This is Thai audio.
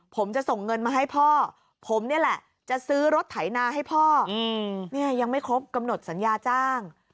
ผมจะส่งเงินมาให้พ่อผมนี่แหละจะซื้อรถไถนาให้พ่อเนี่ยยังไม่ครบกำหนดสัญญาจ้าง